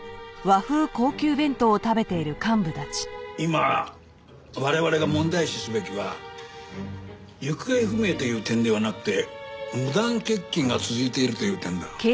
今我々が問題視すべきは行方不明という点ではなくて無断欠勤が続いているという点だ。